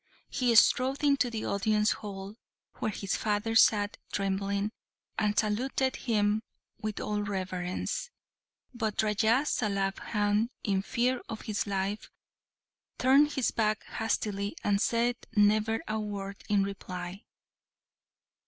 He strode into the audience hall, where his father sat trembling, and saluted him with all reverence; but Raja Salabhan, in fear of his life, turned his back hastily and said never a word in reply.